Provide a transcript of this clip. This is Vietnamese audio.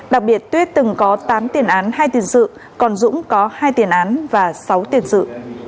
đặc biệt tuyết từng có tám tiền án hai tiền sự còn dũng có hai tiền án và sáu tiền sự